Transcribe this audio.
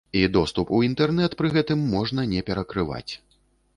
І доступ у інтэрнэт пры гэтым можна не перакрываць.